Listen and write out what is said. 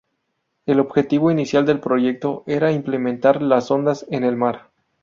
El objetivo inicial del proyecto era implementar las sondas en el mar.